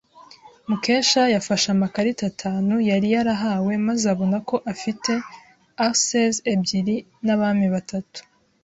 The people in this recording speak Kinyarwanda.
Mukesha yafashe amakarita atanu yari yarahawe maze abona ko afite aces ebyiri n'abami batatu.